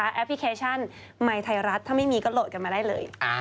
แอปพลิเคชันไมค์ไทยรัฐถ้าไม่มีก็โหลดกันมาได้เลย